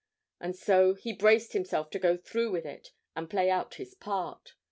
And so he braced himself to go through with it and play out his part.